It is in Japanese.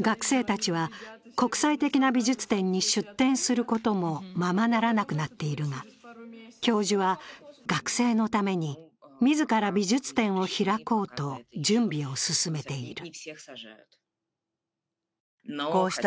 学生たちは国際的な美術展に出展することもままならなくなっているが、教授は学生のために自ら美術展を開こうと準備を進めている。